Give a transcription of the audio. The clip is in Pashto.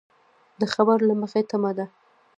د خبر له مخې تمه ده